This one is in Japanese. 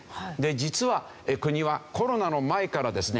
実は国はコロナの前からですね